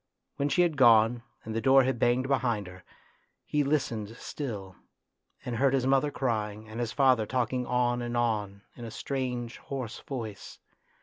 When she had gone and the door had banged behind her, he listened still, and heard his mother crying and his father talking on and on in a strange, hoarse voice.